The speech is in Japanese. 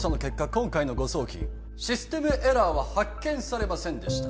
今回の誤送金システムエラーは発見されませんでした